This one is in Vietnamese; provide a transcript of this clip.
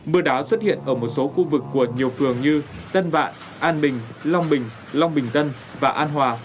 mưa đá xuất hiện ở một số khu vực của nhiều phường như tân vạn an bình long bình long bình tân và an hòa